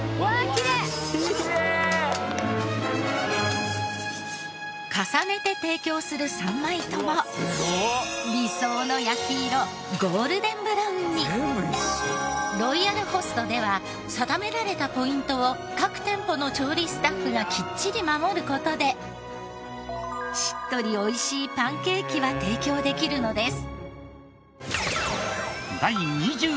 きれい！重ねて提供する３枚とも理想の焼き色ロイヤルホストでは定められたポイントを各店舗の調理スタッフがきっちり守る事でしっとり美味しいパンケーキは提供できるのです。